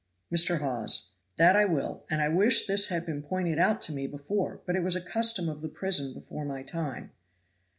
Mr. Hawes. "That I will, and I wish this had been pointed out to me before, but it was a custom of the prison before my time."